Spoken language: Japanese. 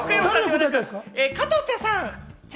加藤茶さん。